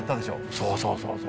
そうそうそうそう。